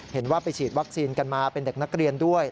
เห็นว่าไปฉีดวัคซีนกันมาเป็นเด็กนักเรียนด้วย